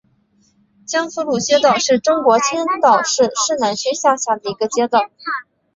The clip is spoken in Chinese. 江苏路街道是中国青岛市市南区下辖的一个街道。